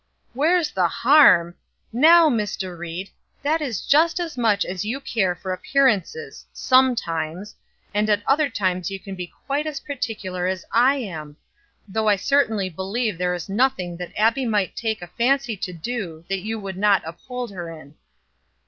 "Where's the harm! Now, Mr. Ried, that is just as much as you care for appearances sometimes, and at other times you can be quite as particular as I am; though I certainly believe there is nothing that Abbie might take a fancy to do that you would not uphold her in."